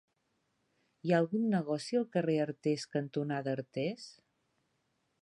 Hi ha algun negoci al carrer Artés cantonada Artés?